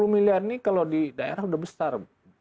dua puluh miliar ini kalau di daerah sudah besar